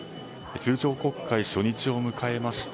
通常国会初日を迎えました。